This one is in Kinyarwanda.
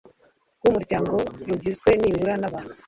rw Umuryango rugizwe nibura n abantu